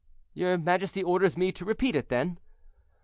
"Your majesty orders me to repeat it, then?"